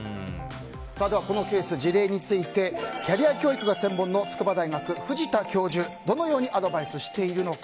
ではこのケース、事例についてキャリア教育が専門の筑波大学の藤田教授はどのようにアドバイスしているか。